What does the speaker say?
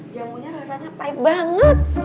jamunya rasanya pahit banget